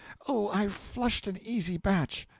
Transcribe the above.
Oh, I've flushed an easy batch!